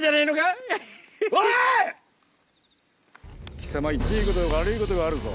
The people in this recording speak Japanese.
貴様言っていいことと悪いことがあるぞ。